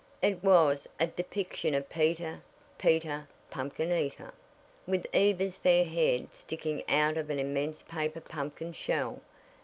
It was a depiction of "Peter, Peter, Pumpkin Eater," with Eva's fair head sticking out of an immense paper pumpkin shell.